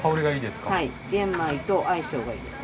玄米と相性がいいです。